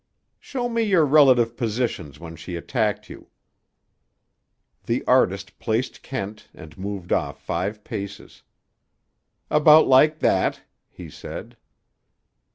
"Show me your relative positions when she attacked you." The artist placed Kent, and moved off five paces. "About like that," he said.